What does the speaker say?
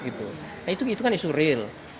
itu kan isu real